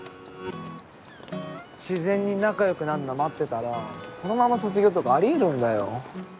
自然に仲良くなんの待ってたらこのまま卒業とかあり得るんだよ。